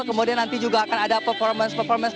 kemudian nanti juga akan ada performance performance